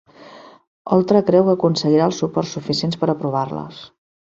Oltra creu que aconseguirà els suports suficients per aprovar-les